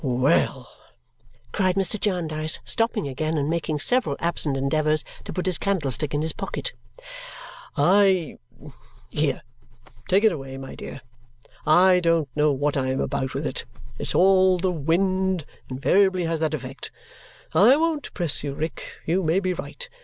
"Well!" cried Mr. Jarndyce, stopping again, and making several absent endeavours to put his candlestick in his pocket. "I here! Take it away, my dear. I don't know what I am about with it; it's all the wind invariably has that effect I won't press you, Rick; you may be right.